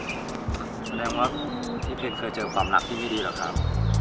แสดงว่าพี่เพนเคยเจอความรักที่ไม่ดีหรอกครับ